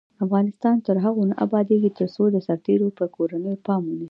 افغانستان تر هغو نه ابادیږي، ترڅو د سرتیرو پر کورنیو پام ونشي.